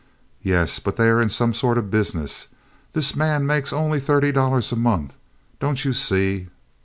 "Yes, but they are in some sort of business. This man makes only thirty dollars a month. Don't you see?"